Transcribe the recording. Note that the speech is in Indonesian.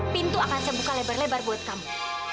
pintu akan saya buka lebar lebar buat kamu